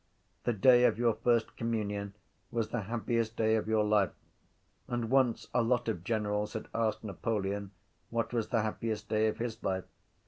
The day of your first communion was the happiest day of your life. And once a lot of generals had asked Napoleon what was the happiest day of his life.